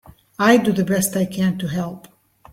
I do the best I can to help.